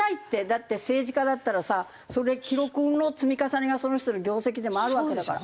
だって政治家だったらさそれ記録の積み重ねがその人の業績でもあるわけだから。